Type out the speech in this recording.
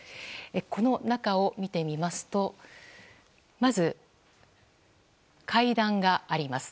この中を見てみますとまず階段があります。